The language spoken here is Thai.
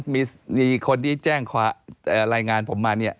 มีคนที่แจ้งรายงานผมมาเนี่ย